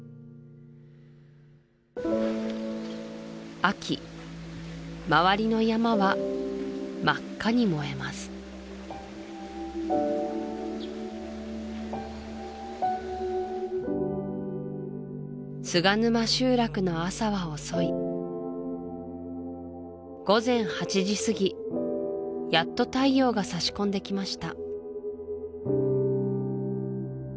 秋周りの山は真っ赤に燃えます菅沼集落の朝は遅い午前８時すぎやっと太陽が差し込んできました